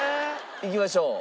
いきましょう。